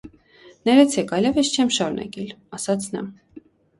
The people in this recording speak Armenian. - Ներեցեք, այլևս չեմ շարունակիլ,- ասաց նա: